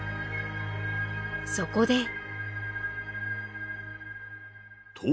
そこで。